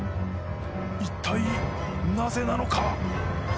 一体なぜなのか？